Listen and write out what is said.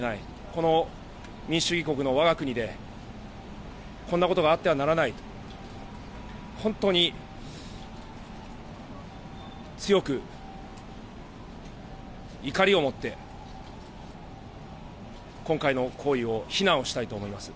この民主主義国のわが国で、こんなことがあってはならないと、本当に強く怒りをもって、今回の行為を非難をしたいと思います。